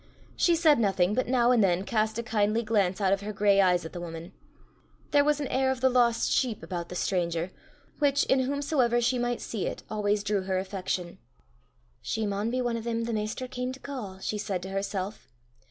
She said nothing, but now and then cast a kindly glance out of her grey eyes at the woman: there was an air of the lost sheep about the stranger, which, in whomsoever she might see it, always drew her affection. "She maun be ane o' them the Maister cam to ca'," she said to herself.